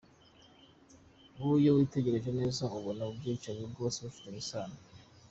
Iyo witegereje neza ubona ubu bwicanyi bwose bufitanye isano.